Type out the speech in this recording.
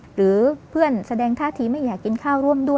หรือเพื่อนแสดงท่าทีไม่อยากกินข้าวร่วมด้วย